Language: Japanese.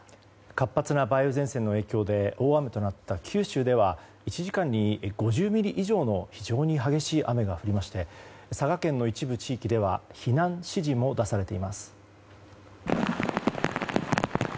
活発な梅雨前線の影響で大雨となった九州では１時間に５０ミリ以上の非常に激しい雨が降りまして佐賀県の一部地域では避難指示も出されています。